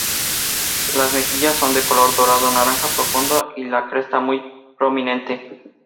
Las mejillas son de color dorado-naranja profundo y la cresta muy prominente.